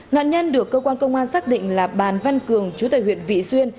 nạn nhân được cơ quan công an xác định là bàn văn cường chú tại huyện vị xuyên